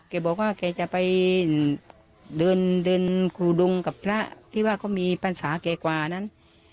แกบอกว่าแกจะไปเดินครูดงกับพระที่ว่าเขามีปรรษาแก่กว่านั้น